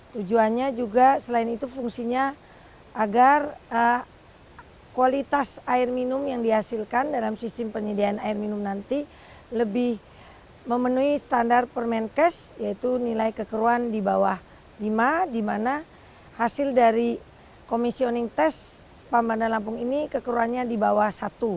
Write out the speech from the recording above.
tujuannya juga selain itu fungsinya agar kualitas air minum yang dihasilkan dalam sistem penyediaan air minum nanti lebih memenuhi standar permenkes yaitu nilai kekeruan di bawah lima dimana hasil dari komisioning tes pambanan lampung ini kekeruannya di bawah satu